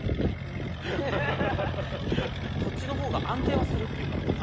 こっちの方が安定はするっていう感じ。